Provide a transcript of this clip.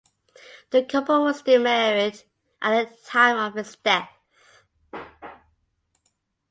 The couple were still married at the time of his death.